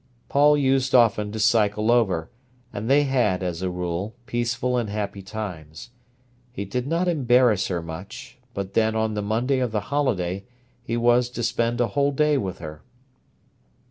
Paul used often to cycle over, and they had as a rule peaceful and happy times. He did not embarrass her much; but then on the Monday of the holiday he was to spend a whole day with her.